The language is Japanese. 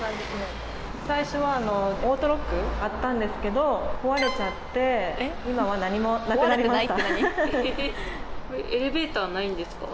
最初はオートロックあったんですけど壊れちゃって今は何もなくなりました。